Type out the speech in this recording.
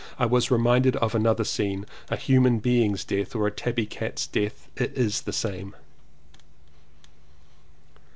I was reminded of another scene. — A human being's death or a tabby cat's death, it is the same.